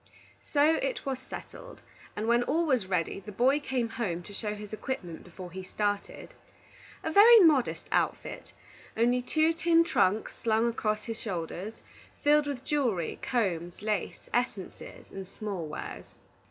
So it was settled, and when all was ready, the boy came home to show his equipment before he started. A very modest outfit, only two tin trunks slung across the shoulders, filled with jewelry, combs, lace, essences, and small wares.